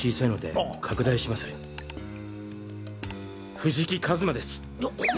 藤木一馬です！